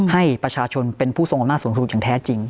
ให้ประชาชนเป็นผู้ทรงอำนาจสูงสุดอย่างแท้จริง